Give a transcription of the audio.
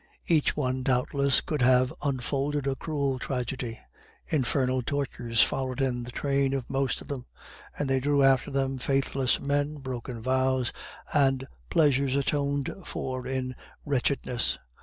Each one doubtless could have unfolded a cruel tragedy. Infernal tortures followed in the train of most of them, and they drew after them faithless men, broken vows, and pleasures atoned for in wretchedness.